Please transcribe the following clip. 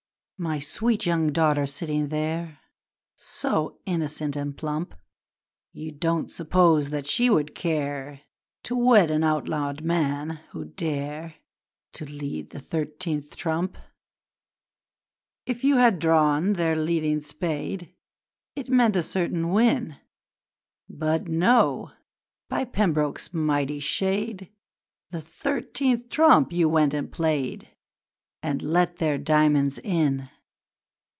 'My sweet young daughter sitting there, So innocent and plump! You don't suppose that she would care To wed an outlawed man who'd dare To lead the thirteenth trump! 'If you had drawn their leading spade It meant a certain win! But no! By Pembroke's mighty shade The thirteenth trump you went and played And let their diamonds in!